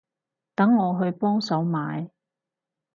等我去幫手買